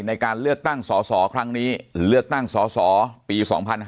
ในการเลือกตั้งสสครั้งนี้เลือกตั้งสอสอปี๒๕๕๙